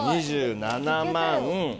２７万。